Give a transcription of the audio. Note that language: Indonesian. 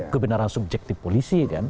kebenaran subjektif polisi